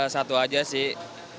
satu aja sih